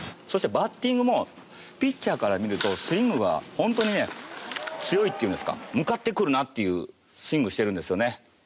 そしてバッティングもピッチャーからするとスイングが本当に強いといいますか向かってくるなというスイングをしているんですよね。